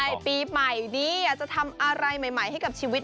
ใช่ปีใหม่นี้อยากจะทำอะไรใหม่ให้กับชีวิต